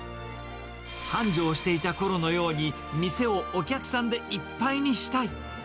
繁盛していたころのように、店をお客さんでいっぱいにしたい。